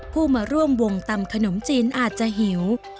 ผู้มาร่วมวงตำขนมจีนอาจจะหิว